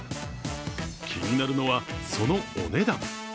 気になるのは、そのお値段。